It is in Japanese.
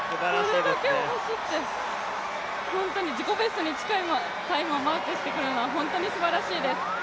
それだけを走って自己ベストに近いタイムをマークしてくるのは本当にすばらしいです。